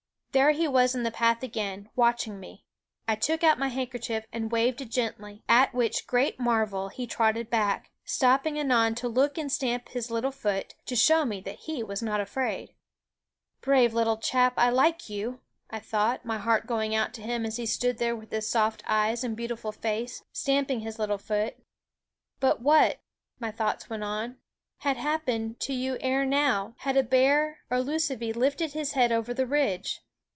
There he was in the path again, watching me. I took out my handkerchief and waved it gently; at which great marvel he trotted back, stopping anon to look and stamp his little foot, to show me that he was not afraid. "Brave little chap, I like you," I thought, my heart going out to him as he stood there with his soft eyes and beautiful face, stamping his little foot. "But what," my thoughts went on, "had happened to you ere now, had a bear or lucivee lifted his head over the ridge?